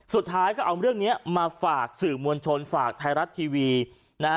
สุดท้ายก็เอาเรื่องนี้มาฝากสื่อมวลชนฝากไทยรัฐทีวีนะฮะ